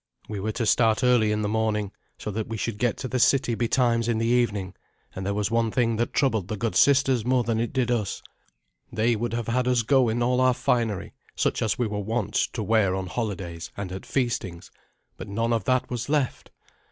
We were to start early in the morning, so that we should get to the city betimes in the evening; and there was one thing that troubled the good sisters more than it did us. They would have had us go in all our finery, such as we were wont to wear on holidays and at feastings; but none of that was left.